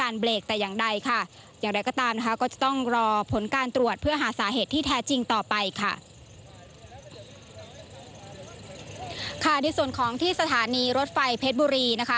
รถไฟเพชรบุรี